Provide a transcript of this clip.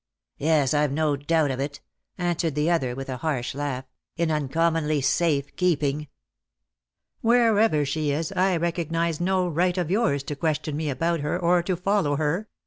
Yes, I've no doubt of it," answered the other, with a harsh laugh ;" in uncommonly safe keeping." " Wherever she is, I recognize no right of yours to question me about her, or to follow her.